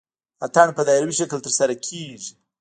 اتن په دایروي شکل ترسره کیږي.